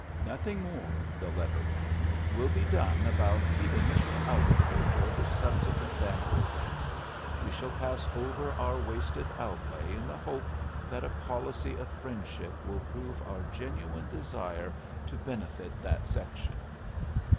"Nothing more," the letter ran, "will be done about the initial outrage or the subsequent vandalisms. We shall pass over our wasted outlay in the hope that a policy of friendship will prove our genuine desire to benefit that section.